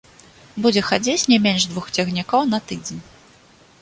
Будзе хадзіць не менш двух цягнікоў на тыдзень.